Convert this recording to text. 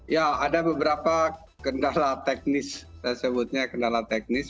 ya ada beberapa kendala teknis saya sebutnya kendala teknis